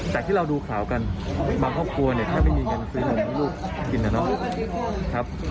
จากที่เราดูข่าวกันบางครอบครัวเนี่ยแทบไม่มีเงินซื้อนมให้ลูกกินนะเนาะ